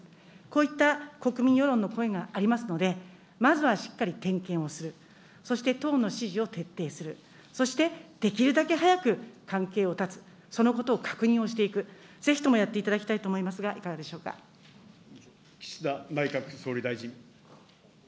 こういった国民、世論の声がありますので、まずはしっかり点検をする、そして党の指示を徹底する、そして、できるだけ早く関係を断つ、そのことを確認をしていく、ぜひともやっていただきたいと思いま岸田内閣総理大臣。